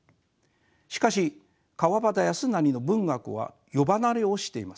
しかし川端康成の文学は世離れをしています。